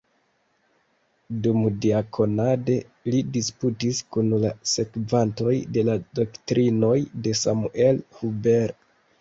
Dumdiakonade li disputis kun la sekvantoj de la doktrinoj de Samuel Huber.